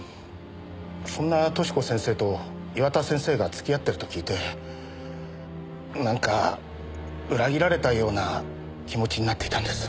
そんな寿子先生と岩田先生が付き合ってると聞いてなんか裏切られたような気持ちになっていたんです。